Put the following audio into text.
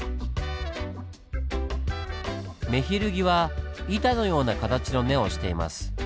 メヒルギは板のような形の根をしています。